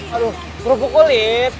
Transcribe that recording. aduh berubu kulit